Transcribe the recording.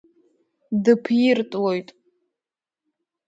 Дыԥиртлоит.